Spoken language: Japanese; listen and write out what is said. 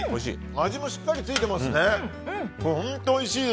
味もしっかりついてますね。